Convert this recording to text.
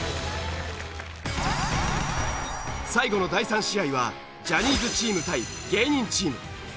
最後の第３試合はジャニーズチーム対芸人チーム。